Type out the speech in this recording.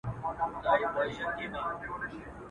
خپل استازی یې ورواستاوه خزدکه.